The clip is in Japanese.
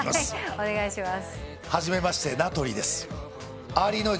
お願いします。